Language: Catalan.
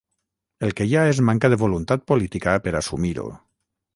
El que hi ha és manca de voluntat política per assumir-ho